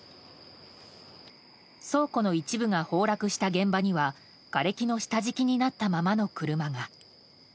倉庫の一部が崩落した現場にはがれきの下敷きになったままの車が。